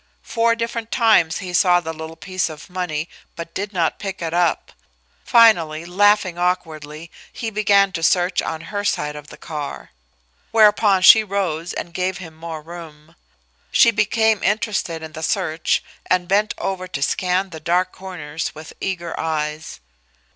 Four different times he saw the little piece of money, but did not pick it up. Finally, laughing awkwardly, he began to search on her side of the car. Whereupon she rose and gave him more room. She became interested in the search and bent over to scan the dark corners with eager eyes.